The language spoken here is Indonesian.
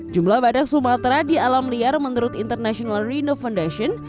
jumlah badak sumatera di alam liar menurut international reno foundation